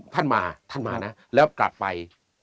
ท่านมาท่านมานะแล้วกลับไป